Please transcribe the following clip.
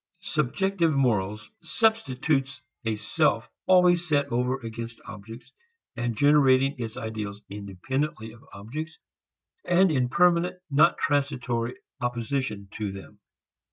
Subjective morals substitutes a self always set over against objects and generating its ideals independently of objects, and in permanent, not transitory, opposition to them.